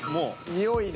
においね。